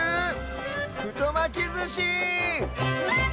ふとまきずし！